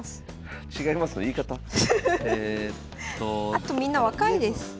あとみんな若いです。